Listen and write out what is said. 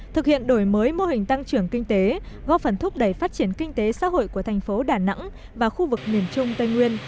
thực hiện đổi mới mô hình tăng trưởng kinh tế góp phần thúc đẩy phát triển kinh tế xã hội của thành phố đà nẵng và khu vực miền trung tây nguyên